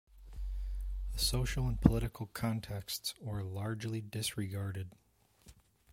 The social and political contexts were largely disregarded.